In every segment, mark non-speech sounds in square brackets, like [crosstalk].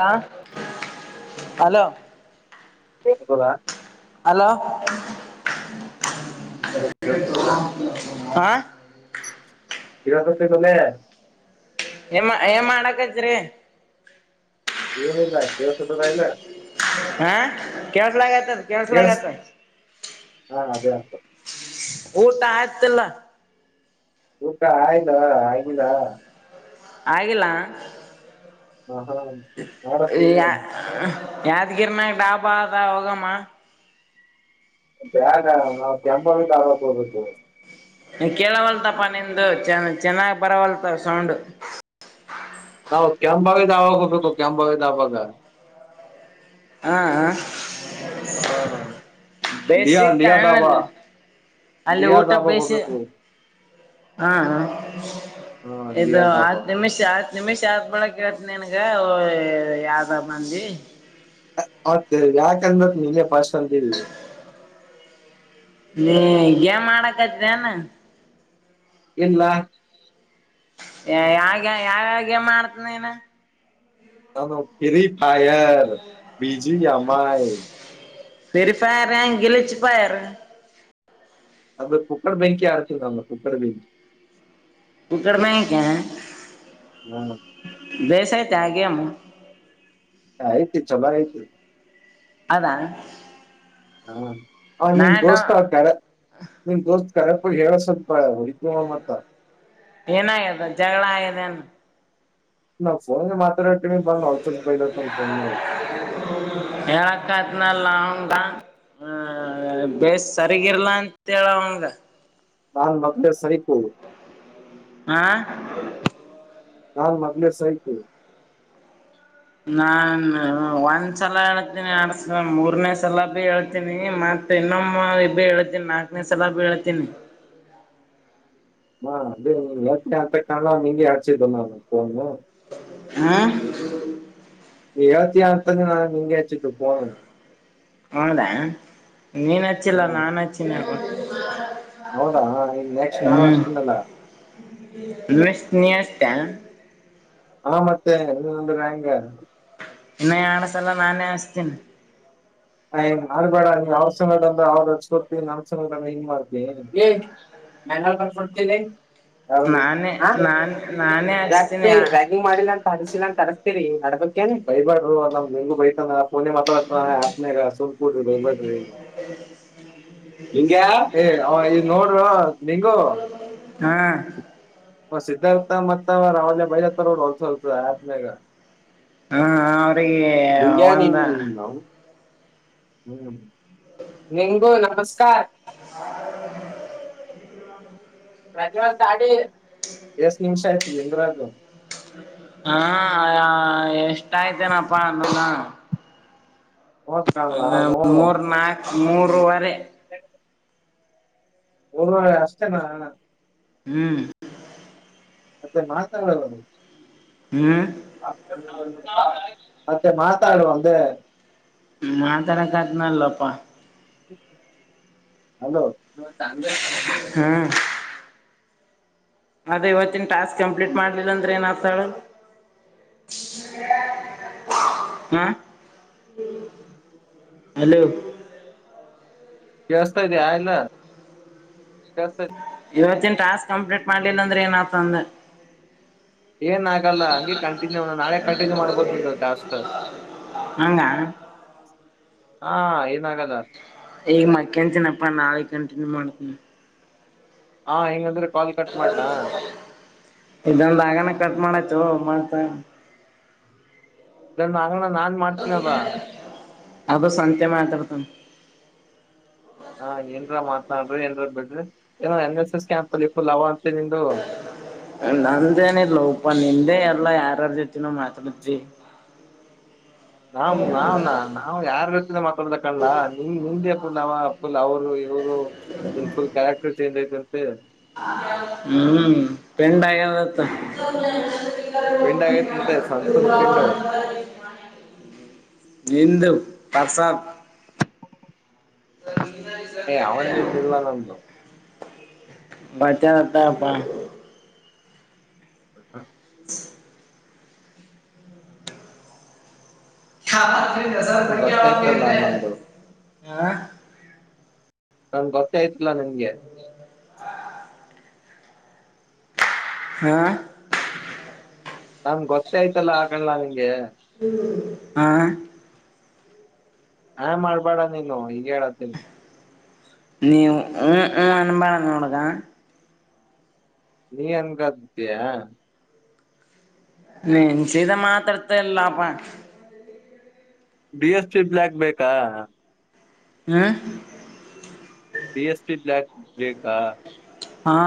ಹ ಹಲೋ ಬೆಸುಗುಲ ಹಲೋ [unintelligible] ಇವಾಗ್ ಬೆಸುಗುರ ಹಾ [unintelligible] ಏ ಏನ್ ಮಾಡಕ್ತಾತ್ತೀರಿ ಏನಿಲ್ಲ ಕೇಳ್ಸತದ ಇಲ್ಲ ಹಾ ಕೇಳ್ಸಲಾಗತದ್ ಕೇಳ್ಸ ಕೇಳಸಲಾಗತದ್ ಹಾ ಅದೇ ಅದು ಊಟ ಆಯಿತಿಲ್ಲ ಊಟ ಆಯ್ದ ಆಗಿಲ್ಲ ಆಗಿಲ್ಲ ಹ ಹಾ ಮಾಡಸ್ತಿನಿ ಯ ಯಾದಿಗಿರನಗ ಡಾಬಾ ಆದಾವ ಹೋಗಾಮ ಬೇಡ ನಾನ್ ಕೆಂಬಾವಿ ದಾಬಾಕ ಹೋಗಬೇಕು. ಕೇಳವಲ್ತಪ್ಪ ನಿಂದು ಚ ಚೆನ್ನಾಗ್ ಬರವಲ್ತ ಸೌಂಡು ನಾವು ಕೆಂಬಾವಿ ದಾಬಾ ಹೋಗಬೇಕು ಕೆಂಬಾವಿ ದಾಬಾಗ ಹ ಹ ಹಾ ಲಿಯಾ ಬೆಸಿ ಲಿಯಾ ಧಾಬಾ ತನಲ್ಲು ಅಲ್ಲಿ ಲಿಯಾ ಊಟ ಧಾಬಾಕ್ ಬೇಯಿಸಿ ಹೋಗ್ಬೇಕು ಹಾ ಹಾ ಹಾ ಇದು ಲಿಯಾ ಧಾಬಾ ಹತ್ತು ನಿಮಿಷ ಹತ್ತ್ ನಿಮಿಷ ಯತ್ ಬಳಿ ಕೇಳ್ತ ನಿನ್ಗ ಯಾವ್ದ ಮಂದಿ ಯಾಕಂದ್ರೆ‌ ನೀನ್ನೇ ಪಸ್ಟ್ ಅಂತಿದಿ ಹ್ಮ್ ಏನ್ ಮಾಡಕತ್ ಏನಾ ಇಲ್ಲಾ ಏ ಯಾಗ ಯಾವಾವ್ ಗೇಮ್ ಆಡ್ತೀಯಾ ನೀನ್ ನ ಬಿಳಿಟಯರ್ ಬೀಜಿ ಅಮಲ್ ಸರಿ ಪರಂಗಿಲಿಚ್ಚಿ ಪಾಯಾರ್ ಅದು ಕುಕ್ಕರ್ ಬೆಂಕಿ ಆಡ್ತದ ಅದು ಕುಕ್ಕರ್ ಬೆಂಕಿ ಕುಕಡಮೆಕ ಹ್ಮ ಬೇಸತ್ತ ಗೇಮು ಆಯ್ತು ಚೆನ್ನಾಗಿ ಆಯ್ತೀ ಅದಾ ಹ ಆವನ್ ನಿನ್ ದೋಸ್ತ ಕರೆ ನಿನ್ ದೋಸ್ತ್ ಕರೆ ಹೇಳಸ್ ಏನಾಗದ್ ಜಗಳ ಆಗದೇನು ಇಲ್ಲ ಪೋನು ಮಾತ್ ಬರುತ್ತೀನಿ ಅಂದ ಒಂಚ್ಚೂರ್ ಬೈದು ಪೋನ್ನಾಗ ಬಾ ಆ ಬೇಸ್ ಸರಿಗಿರ್ಲ್ಲಾ ಅಂತ ಹೇಳ್ ಅವಂಗಾ ನಾನ್ ಮೊದ್ಲೇ ಸೈಕೂ ಆ ನಾನ್ ಮೊದ್ಲೆ ಸೈಕೂ ನಾ ಒಂದ್ಸಲ ಹೇಳ್ತೀನಿ ಎರಡ್ಸಲ ಮೂರ್ನೆ ಸಲಾಗೂ ಹೇಳ್ತೀನಿ ಮತ್ ಇನ್ನೊಮ್ಮೆ ಇದೆ ಹೇಳ್ತನಿ ನಾಕನೇ ಸಲಾಗು ಹೇಳ್ತೀನಿ ಹ ಅದೇ ನೀ ಹೇಳ್ತೀಯ ಅಂತ ನಿಂಗೆ ಆಗಸಿದು ನಾನು [unintelligible] ಹ ಎವತ್ತಿಯ ಅಂತ ನಾನು ನಿಂಗ ಹಚ್ಚಿದ ಫೋನು ಹೌದಾ ನೀನ್ ಹಚ್ಚಿಲ್ಲ ಹಾ ನಾನನ್ ಹಚ್ಚಿನ ಹೌದಾ ಇನ್ ನೆಕ್ಸ್ಟ್ ನಾನ್ ಹ್ಮ ಹಚ್ತೀನಲ್ಲ ಮ ನೀಷ್ಟತ ಹಾ ಮತ್ತೆ ಇ ಒಂದ ಹೆಂಗ ಇನ್ನ ಯಣಸಲ್ಲ ನಾನೇ ಅಸ್ತಿನ ಆನ್ ಮಾಡಬೇಡ ನೀ ಅವ್ರ ಸನದ ಅ್ರ ಅವ್ರಕ ಕೊಡ್ತೀ ನಮ್ ಸಮನಂದ ಹಿಂಗ್ ಮಾಡ್ತವಿ ಮಂಗಲ್ ಬಫಡ್ತಿ ಹೌದು ನಾನೇ ಹ ನಾನ್ ನಾನೇ ಯಾಕಪ್ಪ ಹಚ್ತೀನಿ ಹಾ ರ್ಯಾಗಿಂಗ್ ಮಾಡಿಲ್ಲ ಅಂತ ಹಸಿಲ್ಲ ಅಂತ ಅರಸ್ತೀರಿ ನಡ್ಬ ಬಯಬಾರಡ ನಮ್ಂಗ ಬತಾನ ಫನೆ ಮಾತಾಡ್ತಾನ ರಾಸುಮ ಕುಡ್ರಿ ಬೈಬ್ಯಾಡರಿ ಲಿಂಗ್ಯಾ ಏ ಈ ನೋಡ್ರ ನಿಂಗು ಹ ಮ ಸಿದ್ಧಾರ್ಥ ಮತ್ತ ಅವ ರಾವ ಬೈತ ಹೊಲ್ಸತ ಆತ್ಮೇಾಗ ಅವ್ರಿಗೆ ನಿಂಗ್ಯಾ ಒಂದ ನಿನ್ ನೌನವ್ ಹ್ಮ್ ನಿಂಗು ನಮಸ್ಕಾರ ಪ್ರಜವ ತಾಡಿ ಎಷ್ಟು ನಿಮಿಷ ಆಯ್ತು ಇಂದ್ರಾಜು ಹಾ ಎಷ್ಟಯ್ತೇನಪ್ಪಾ ಅಂದನ ನೋಡ್ ಕಾಣಲ್ಲ ಅದ ನೋಡು ಮೂರ್ ನಾಕ ಮೂರುವರೆ ಆಷ್ಟತ ನ ಹ್ಮ್ ಮತ್ತೆ ಮಾತಾಡಲ್ಲರು ಹ್ಮ್ ಮತ್ತೆ ಮಾತಾಡುವ ಅಂದ ಮತಾರಕತ್ನ ಲೋಪ ಹಲೋ ಚ ಸಮ ಅದ ಇವತ್ತಿನ ಟಾಸ್ಕ್ ಕಂಪ್ಲೀಟ್ ಮಾಡ್ಲಿಲ್ಲ ಅಂದ್ರೆ ಏನ್ ಆತಾಳ ಹಾಂ ಹಲೋ ಕೇಳಿಸ್ತಾ ಇದೆಯಾ ಇಲ್ಲ ಕೇಳಸ್ತಾ ಇವತ್ತಿನ ಟಾಸ್ಕ್ ಕಂಪ್ಲೀಟ್ ಮಾಡ್ಲಿಲ್ಲ ಅಂದ್ರೆ ಏನತಂದ ಏನ್ ಆಗಲ್ಲ ಹಂಗೆ ಕಂಟಿನ್ಯೂ ನಾಳೆ ಕಂಟಿನ್ಯೂ ಮಾಡ್ಬೋದು ನಿಂದು ಟಾಸ್ಕ್ ಹಂಗ ಹಾ ಏನ ಆಾಗಲ್ಲ ಈಗ ಮಕನ್ ತಿನಪ್ಪಾ ನಾಳೆ ಕಂಟಿನ್ಯೂ ಮಾಡ್ತನ ಹಾ ಹೆಂಗಂದ್ರೆ ಇದಂದಾಗನ ಕಟ್ ಮಾಡ್ತು ಮಾಡ್ತ ಇದನ್ನ ಆಗಣ ನಾನ್ ಮಾಡ್ತೀನಲ್ ಅದು ಸತ್ಯ ಮಾತ್ರತ ಹಾ ಏನ್ರ ಮಾ ನ್ ಏ ಬಿಡ್ರಿ ಏ ಎನ್ ಎಸ್ ಎಸ್ ಕ್ಯಾಂಪ್ ಅಲ್ಲಿ ಫುಲ್ ಅವ ಅಂತ ನಿು ನಂದೇನ ಇ ಲ ಉಪಾ ನಿಂದೇ ಎಲ್ಲಾ ಯಾರಾರ್ ಜೊತಿನೋ ಮಾತಾಡಿದವಿ [inaudible] ನಾವ್ ನಾವ್ ನ ನಾವ್ ಯಾರ್ ವ್ಯಕ್ತಿ ಮಾತಾಡ್ದ ಕಣ ನಿಮ್ ನಿಮ್ದೆ ನಾವ ಅಪ್ಪುಲ್ ಅವರು ಇವರು ನಿನ್ ಫುಲ್ ಕ್ಯಾರೆಕ್ಟರ್ ಚೇಂಜ್ ಐತಂತೆ ಹ್ಮ್ ಪೆಂಡ ಆಗದತ್ತ [unintelligible] ಪಿಂಡ್ ಆಗೈತಂತೆ ಸಂತನ್ ಪಿಂಡು ಹಂದು ಪ್ರಸಾಬ್ [unintelligible] ಏ ಅವಂದೇನಿಲ್ಲ ನಮ್ದು ಬಚತಪ್ಪ ಹ ಹ [inaudible] ಹತೆ ನಿಂಗ್ ಗೊತ್ತಾಯ್ತಲ್ಲ ನಂದು ಹ ನಾ ಗೊತ್ತಯ್ತಿಲಾ ನಿನ್ಗೆ ಹಾ ನಮ್ ಗೊತ್ತೇ ಆಯ್ತಲ್ಲ ಆಕಣಲ ನಿಂಗೆ ಆ ಹಾ ಮಾಡ್ಬೇಡ ನೀನು ಹಗ ಹೇಳತ್ತೀನ್ಿ ನೀ ಹ್ಮ್ ಹ್ಮ್ ನನಂಬಳ ಕೊಡುಗಾ ನೀ ಅನ್ಂಗ್ದ ನೆನ್ಚೀದಾ ಮಾತ್ರತಲ್ಲಪ ಬಿ ಎಸ್ಟಿ ಬ್ಲಯಾಕ್ ಬೇಕಾ ಹ ಪ ಎಸ್ ಪಿ ಬ್ಲಾಕ್ ಬ್ಲೇೇಕಾ ಹಾ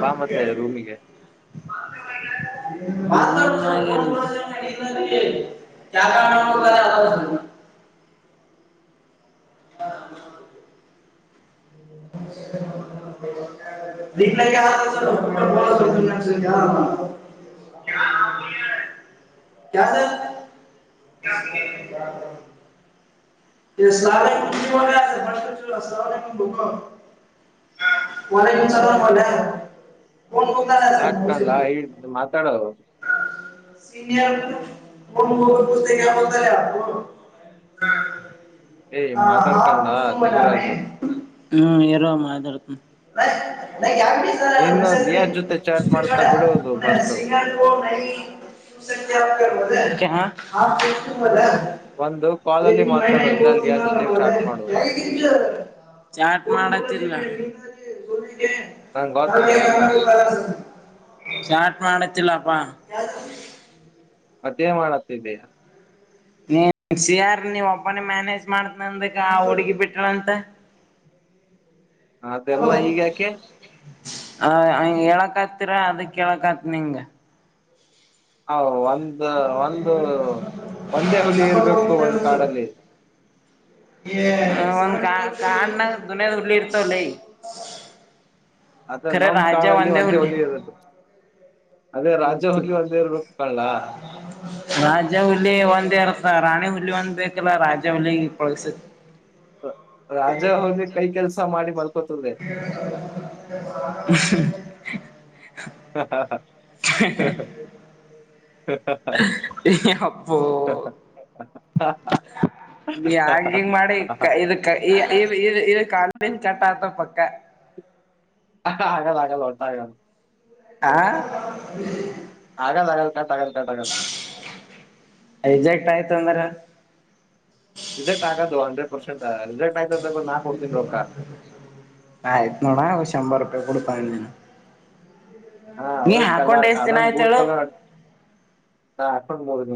ಬಾ ಮತ್ತೆ ರೂಮಿಗೆ ಕ ಕಣ ಕ ಅ ಹ ಇ ಹ ಕಸ ಒನೆ ನಿಂ ಚದರಕೆ ಯಾ ಕಾಣಲ ಇು ಮಾತಾಡದು ಸೀನಿಯ ಪುಸ್ತಕತಲ ಏಯ್ ಮಾತಾಡ್ಕಣ್ಲಾ ಲಿಂಗರಾಜು ಹ್ಮ್ ಎರಾಮ ಆದತ ಇನ್ನು ಲಿಯಾ ಜೊತೆ ಚಾಟ್ ಚಾಟ್ ಮಾಡ್ತಾ ಬಿಡೋದು ಫಸ್ಟ್ ಸ ಮ ಮ ಒಂದು ಕಾಲಲ್ಲಿ ಮಾತಾಡುವ ಇಲ್ಲ ಅಲ್ಲಿ ಚಾಟ್ ಮಾಡ ತಿೀರ್ವಾ ನಂಗ್ ಗೊತ್ತು ಎಲ್ಲ ಚಾ್ಟ ಮಾಡಕ್ಕೆ ಹಚ್ಚಲಪ್ಪ ಅದೇ ಮಾಡತ್ತಿದ್ದಯಾ ನೀ ನೆಕ್ಸ್ ಯಾರ್ ನೀ ಒಪ್ಪನ ಮ್ಯಾನೇಜ್ ಮಾಡ್ತ್ ನಂದಗ ಹುಡುಗಿ ಬಿಟ್ಟಳಂತ ಮದೆ ಎಲ್ಲ ಹೀಗ್ಯಾಾಕೆ ಹ ಹೇಳಕ್ ಹತ್ತೀರ ಅದಕ್ಕ್ ಆತ್ ನಿಂಗ ಹ ಒಂದ ಒಂದು ಒಂದೇ ಹುಲಿ ಇರ್ಬೇಕು ಒಂದು್ ಕಾಡಲ್ಲಿ ಒಂದ್ ಕಾ ಕಾನಾಗ ದದುನಿಯದ್ ಹುಳ್ಳಿ ಇರ್ತವಲ್ಲಿ ಅದ ರ ನಮ್ ರಾಜೆ ಕಾಡಲ್ಲಿ ವಂದೇ ಒಂದೇ ಹೊಲ್ಲ ಹುಲಿ ಇರದು ಅದೇ ರಾಜ ಇತ್ತು ಹುಲಿ ಒಂದೇ ಇರ್ಬೇಕು ಕಳ್ಳ ರಾಜವುಲ್ಲಿ ಒಂದೇ ರಾಣಿ ಹುಲಿ ಒಂದ ಬೇಕಲ್ಲ ರಾಜ ಹುಲ್ಲಿ ಪಳಸ ರಾಜ ಅವ್ರಿಗೆ ಕೈ ಕೆಲ್ಸ ಮಾಡಿ ಬ ಹ ಹಾ ಹಾ ಹಾ ಹ ಹ ಅಪ್ಪೋ ವಂಗ ಮಾಡ ಕಾಲ ಮನ್ ಚಟಾತ ಪಕ್ಕ ಹಾಗಗಲ್ಲ ಆಗಲ್ಲ ಹೊರ್ತ ಆಗಲ್ಲ ಆ ಆರಾಮ ಆರೌತ ಪರೌತಾ ಪಾರ ಸತ್ತಂಬರ ರಿಸೆಟ್ ಆಗೋದು ಹಂಡ್ರೆಡ್ರ್ಟ್ ಆಗ ಆ ಆಯ್ತು ನೋಡ ಶಂಭರ ರೂಪಿ ಒಡು ಪ್ಯಾಂದಿನ ಹಾ ಅವ ಅದಂದು ಬೂಟ್ ಹೇಳು ತಗೊಂಡ ಬೋದ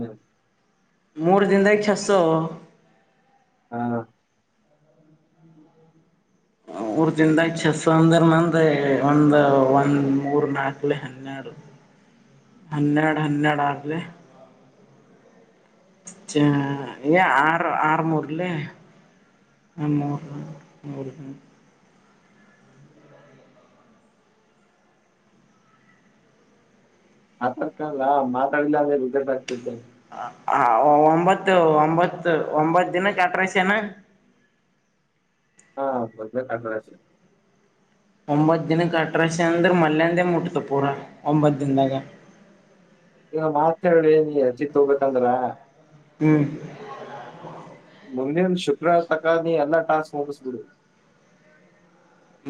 ಮೂರು ದಿನದ ಸು ಹಾ ಹೌ ಮೂಊರ್ ದಿನ ಚಸ್ ಅಂದರ್ ಮಂದ ಒಂದ ಒಂದ್ ಮೂರ್ ನಾಕ್ಲೆ ಹನ್ನೆಾರ ಹನ್ನೆರಡು ಹನ್ನೆಡು ಆಗ್ರ ಆರು ಆರು ಮೂೂರುಲ್ಲ ಹ ಮರ ಮ ಆತಡ್ಕಾ ಮಾತಾಡಿಲ್ಲ ಅಂದ್ರೆ ಉಜಟ ಆಗ್ತತ ಹ ಒಂಬತ್ತು ಒಂಬತ್ತು ಒಂಬತ್ ದಿನ ಕಟ್ರಸನಾ ಹ ಬದ ಬ ಆಗಸ ಒಂಬತ್ ದಿನಕ್ಕೆ ಅಟ್ರಶ ಅಂದ್ರೆ ಮಲ್ಯಂದೇ ಮುಟ್ತು ಪೂರಾ ಒಂಬತ್ ದನ್ದಾಗ ಈಗ ಮಾತ್ ಹೇಳಿ ನೀ ಚಿತ್ ಹೋಗ್ಬೇಕಂದ್ರ ಹ್ಮ್ ಮುಂದಿನ ಶುಕ್ರವಾರ ತಕ್ಕ ಎಲ್ಲ ಟಾಸ್ಕ್ ಫೋರ್ಸ್ಗಳು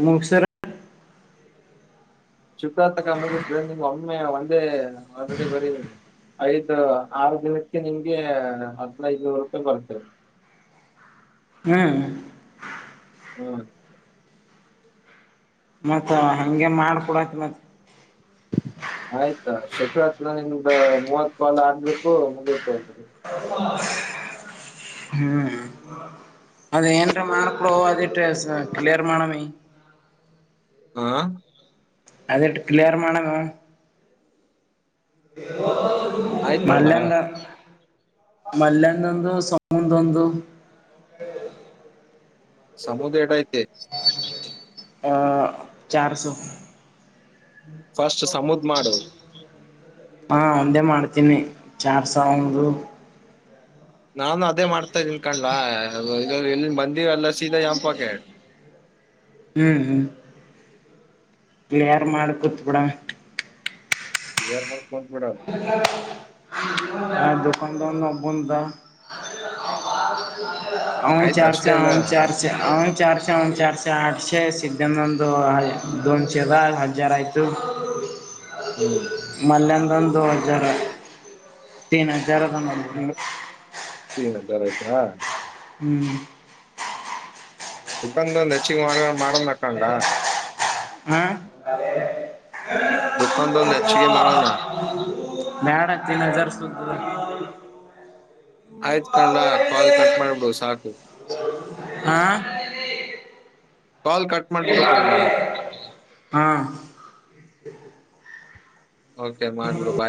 ಮುಕ್ಸರ ಶುಕಾರ್ತಕ ಮುಗಿಸಿದ್ರೆ ನಿಂಗ ಒಮ್ಮೆ ಒಂದೇ ಆಲ್ರೆಡಿ ಬರೀ ಐದು್ ಆರು ದಿನಕ್ಕೆ ನಿಮ್ಗೆ ಹತ್ ಐದನೂರು ರೂಪಾಯಿ ಬರ್ತೇದೆ ಹ್ಮ ಹ್ಮ ಮತ್ತ ಹಗೆ ಮಾಡ್ಕೊಡತ್ ಮತ್ತ ಆಯ್ತಾ ಶುಕರಾತ್ ನಿಮ್ದ ಮೂವತ್ ಕಾಲು ಆಗ್ಬೇಕು ಮುಗೀತ ಹೋದ್ರಿ ಹ್ಮ್ ಅದೇರ ಮಾರ್ಕ್ೋ ಅ ಕ್ಲಿಯರ್ ಮಾಡಣ ಮೇ ಆ ಅದ ಎಡುಕ್ಕಲ ಯರ ಮಾಡಣನೋ ಆಯ್ತ ಅಣ್ಣ ಮಲ್ಲಂದ ಮಲ್ಲಂದಂದು ಸಮ ರಂದು ಸಮುದ್ರಯಟ ಇ ತ ಚಾರ ಸೊ ಫಸ್ಟ್ ಸಮುದ್ ಮಾಡು ಹಾ ಒಂದೇ ಮಾಡ್ತೀನಿ ಚಾರ್ ಸಾವಿರರು ನಾನು ಅದೇ ಮಾಡ್ತಾ ಇದ್ದೀನ್ ಕಂಡಲ ಇಲ್ಲಿನ್ ಬಂದಿವ ಎಲ್ಲ ಸೀದಾ ಯಪಾ ಕೇ ಹ್ಮ್ ಹ್ಮ್ ಪ್ಲೇಯರ್ ಮಾಡಕೂತ್ಬುಡ ರನ ಕೊಂತ ಬಿಡ ಆ ದಕಾನದನ್ನ ಬಂದಾ ಅವನ್ ಆಯ್ತ ಚಾರ್ಚ ಅಷ್ಟೇ ಹನ್ ಅಲ್ಲ ಚಾರ್ಚ ಅವನ್ ಚಾರ್ಚ ಹನ್ ಚಾರ್ಚ ಚ ಆಟ್ಶ ಸಿದ್ಧಾನಂದ ಹ ದೊನ್ ಚದ ಹಜಾರ ಆಯಿತು ಹ್ಮ್ ಮಲ್ಯಧನ್ ದೊ ಹಜಾರ ತಿ ಜರ ತಮ ರ ಆಯ್ತಾ ಹ್ಮ್ ಮುಖಂದ ಒಂದ್ ಹೆಚ್ಚಿಗೆ ಮಾಡ್ೊಂಡ ಮಾಡಣ ನಕಂಡ ದುಖಾನ್ದೊಂದ್ ಹ್ಮ ಹೆಚ್ಚಿಗೆ ಮಾಡೋಣ [unintelligible] ಆಯ್ತ್ ಕಣಡ ಕಾಲ್ ಕಟ್ ಮಾಡ್ಬಿಡು ಸಾಕು ಹ ಕಾಲ್ ಕಟ್ ಮಾಡ್ಬಿಡು ಕಣ್ಲಾ [unintelligible] ಹ್ಮ ಓಕೆ ಮಾಡ್ಬಿಡು ಬಾಯ್